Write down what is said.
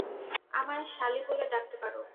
আমায় সালি বলে ডাকতে পারো।